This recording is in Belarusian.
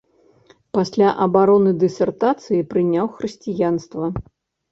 Пасля абароны дысертацыі прыняў хрысціянства.